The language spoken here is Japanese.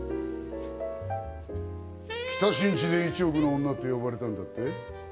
北新地で１億の女って呼ばれてたんだって。